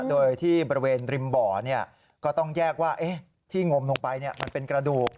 โดยที่บริเวณริมบ่อก็ต้องแยกว่าที่งมลงไปมันเป็นกระดูก